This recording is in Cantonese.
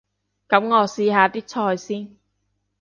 噉我試下啲菜先